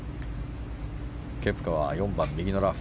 ケプカは４番、右のラフ。